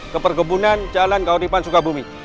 ke perkebunan jalan kauripan sukabumi